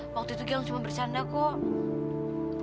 waktu itu gang cuma bercanda kok